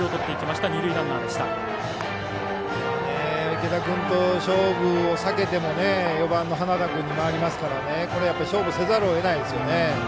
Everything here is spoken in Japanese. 池田君と勝負を避けても４番の花田君に回りますから勝負せざるをえないでしょうね。